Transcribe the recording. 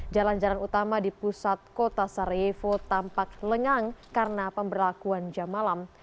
jalan jalan utama di pusat kota saryevo tampak lengang karena pemberlakuan jam malam